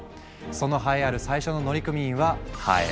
その栄えある最初の乗組員はハエ。